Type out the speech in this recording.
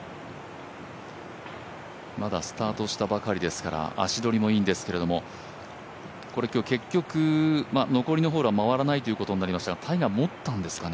まだスタートしたばかりですから、足取りもいいんですけど結局、残りのホールは回らないということになるんですがタイガー、もったんですかね？